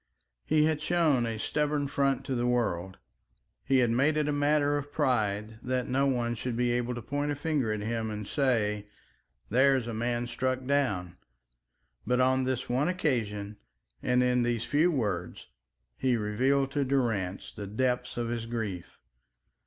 He had shown a stubborn front to the world; he had made it a matter of pride that no one should be able to point a finger at him and say, "There's a man struck down." But on this one occasion and in these few words he revealed to Durrance the depth of his grief.